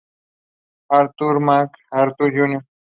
Arthur MacArthur, Jr.